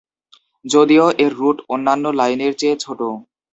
যদিও এর রুট অন্যান্য লাইনের চেয়ে ছোট।